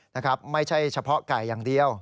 นะครับไม่ใช่เฉพาะไก่อย่างเดียว